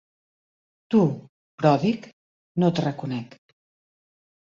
Tu, pròdig?: no et reconec.